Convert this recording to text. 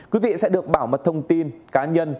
quý vị sẽ được bảo mật thông tin cá nhân